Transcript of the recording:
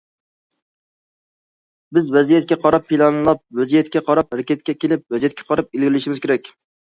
بىز ۋەزىيەتكە قاراپ پىلانلاپ، ۋەزىيەتكە قاراپ ھەرىكەتكە كېلىپ، ۋەزىيەتكە قاراپ ئىلگىرىلىشىمىز كېرەك.